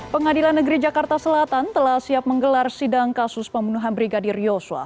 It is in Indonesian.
pengadilan negeri jakarta selatan telah siap menggelar sidang kasus pembunuhan brigadir yosua